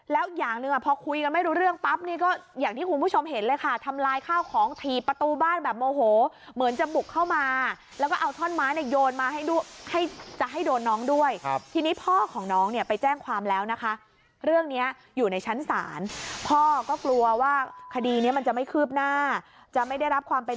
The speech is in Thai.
แล้วอย่างหนึ่งอ่ะพอคุยกันไม่รู้เรื่องปั๊บนี่ก็อย่างที่คุณผู้ชมเห็นเลยค่ะทำลายข้าวของถีบประตูบ้านแบบโมโหเหมือนจะบุกเข้ามาแล้วก็เอาท่อนไม้เนี่ยโยนมาให้ด้วยให้จะให้โดนน้องด้วยทีนี้พ่อของน้องเนี่ยไปแจ้งความแล้วนะคะเรื่องนี้อยู่ในชั้นศาลพ่อก็กลัวว่าคดีนี้มันจะไม่คืบหน้าจะไม่ได้รับความเป็น